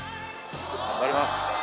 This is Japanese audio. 頑張ります。